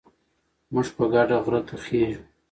موږ په ګډه غره ته خېژو.